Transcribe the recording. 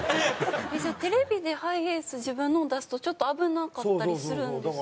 じゃあテレビでハイエース自分のを出すとちょっと危なかったりするんですか？